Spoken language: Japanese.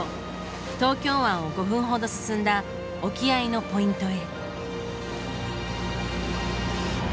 東京湾を５分ほど進んだ沖合のポイントへ。